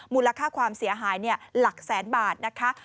มูลค่าความเสียหายหลักแสนบาทนะคะ